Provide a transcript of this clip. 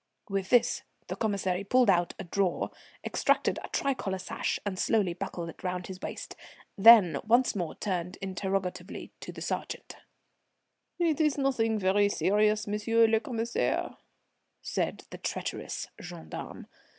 With this the commissary pulled out a drawer, extracted a tricolour sash and slowly buckled it round his waist, then once more turned interrogatively to the sergeant: "It is nothing very serious, M. le Commissaire," said the treacherous gendarme.